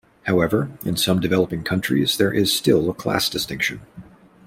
However, in some developing countries, there is still a class distinction.